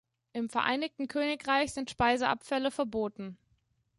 Im Vereinigten Königreich sind Speiseabfälle verboten.